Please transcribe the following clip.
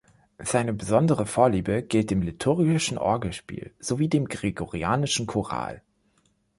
Seine besondere Vorliebe gilt dem Liturgischen Orgelspiel sowie dem Gregorianischen Choral.